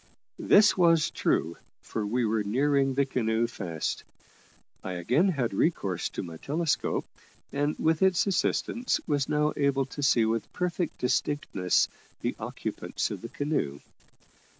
This was true, for we were nearing the canoe fast. I again had recourse to my telescope, and, with its assistance, was now able to see with perfect distinctness the occupants of the canoe.